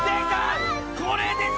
これですよ！